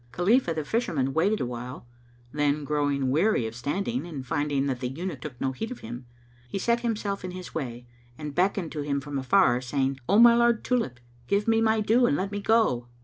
Khalifah the Fisherman waited awhile; then, growing weary of standing and finding that the Eunuch took no heed of him, he set himself in his way and beckoned to him from afar, saying, "O my lord Tulip, give me my due and let me go!"